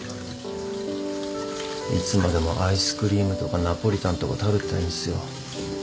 いつまでもアイスクリームとかナポリタンとか食べてたいんすよ。